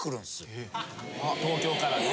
東京からね。